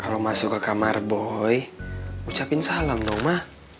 kalo masuk ke kamar boy ucapin salam dong ma